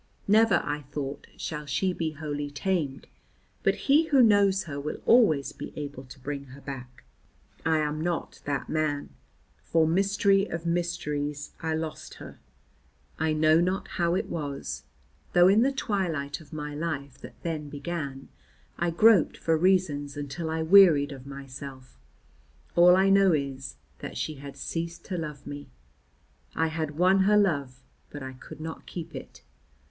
Never, I thought, shall she be wholly tamed, but he who knows her will always be able to bring her back. I am not that man, for mystery of mysteries, I lost her. I know not how it was, though in the twilight of my life that then began I groped for reasons until I wearied of myself; all I know is that she had ceased to love me; I had won her love, but I could not keep it.